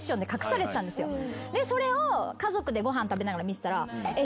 それを家族でご飯食べながら見てたら。